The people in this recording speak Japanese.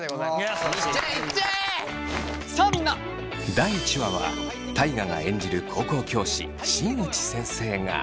第１話は大我が演じる高校教師新内先生が。